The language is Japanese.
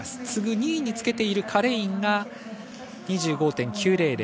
２位につけているカレインが２５．９００。